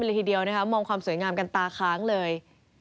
เลยทีเดียวนะคะมองความสวยงามกันตาค้างเลย